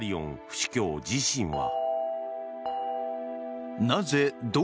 府主教自身は。